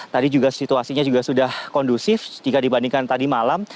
tadi juga situasinya juga sudah kondusif jika dibandingkan tadi malam